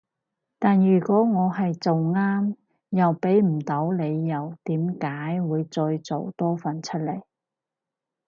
但如果我係做啱又畀唔到理由點解會再做多份出嚟